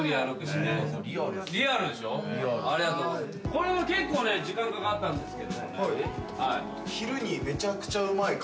これも結構ね時間かかったんですけどもね。